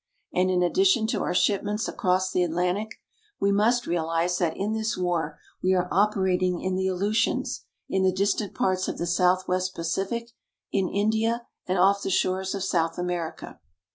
And in addition to our shipments across the Atlantic, we must realize that in this war we are operating in the Aleutians, in the distant parts of the Southwest Pacific, in India, and off the shores of South America.